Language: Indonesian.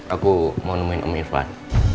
aku mau nemuin om irfan